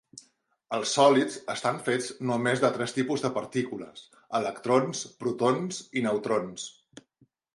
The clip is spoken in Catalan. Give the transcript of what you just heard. Els sòlids estan fets només de tres tipus de partícules: electrons, protons i neutrons.